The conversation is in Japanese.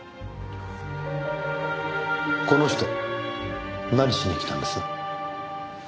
この人何しに来たんです？